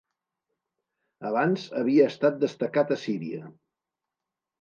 Abans havia estat destacat a Síria.